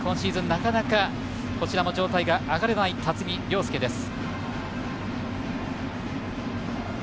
なかなか状態が上がらない辰己涼介です。